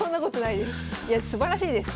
いやすばらしいです。